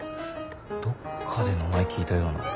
どっかで名前聞いたような。